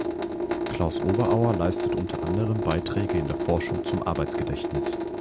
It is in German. Klaus Oberauer leistet unter anderem Beiträge in der Forschung zum Arbeitsgedächtnis.